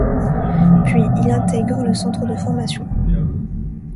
Puis il intègre le centre de formation.